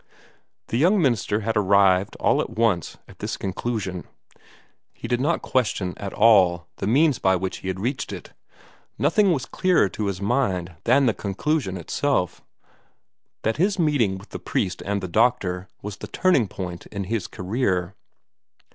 The young minister had arrived, all at once, at this conclusion. He did not question at all the means by which he had reached it. Nothing was clearer to his mind than the conclusion itself that his meeting, with the priest and the doctor was the turning point in his career.